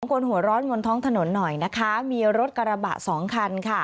คนหัวร้อนบนท้องถนนหน่อยนะคะมีรถกระบะสองคันค่ะ